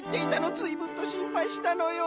ずいぶんとしんぱいしたのよ」。